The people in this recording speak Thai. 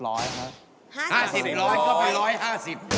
ก็เป็น๑๕๐